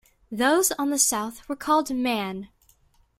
Those on the south were called Man.